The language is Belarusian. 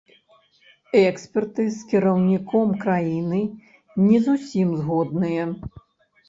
Эксперты з кіраўніком краіны не зусім згодныя.